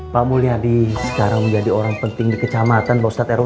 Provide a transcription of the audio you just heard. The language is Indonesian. pak mulyadi sekarang menjadi orang penting di kecamatan pak ustadz rw